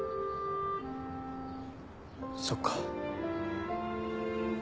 そっか。